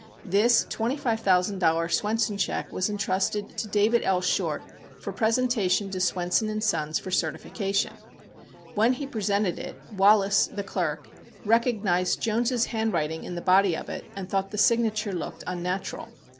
This twenty five thousand dollar Swenson check was intrusted to David L. Short for presentation to Swenson & Sons for certification. When he presented it, Wallace, the clerk, recognized Jones's handwriting in the body of it, and thought the signature looked unnatural.